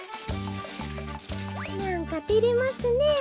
なんかてれますねえ。